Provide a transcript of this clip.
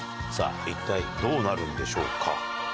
さぁ一体どうなるんでしょうか？